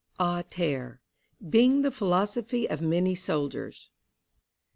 A Terre (Being the philosophy of many Soldiers.)